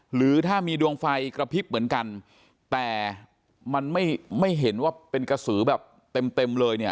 หรือถ้ามีดวงไฟกระพริบเหมือนกันแต่มันไม่เห็นว่าเป็นกระสือแบบเต็มเต็มเลยเนี่ย